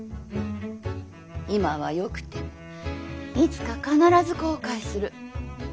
今はよくてもいつか必ず後悔する。